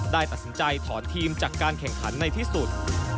ได้ตัดสินใจถอนทีมจากการแข่งขันในที่สุด